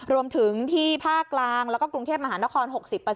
รวมถึงที่ภาคกลางแล้วก็กรุงเทพมหานคร๖๐